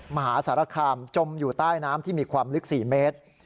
มหาสารคามจมอยู่ใต้น้ำที่มีความลึก๔เมตร